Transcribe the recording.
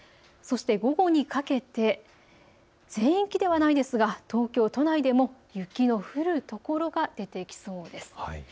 そして午後にかけて全域ではないですが東京都内でも雪の降るところが出てきそうです。